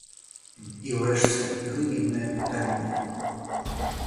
І ўрэшце, глыбіннае пытанне.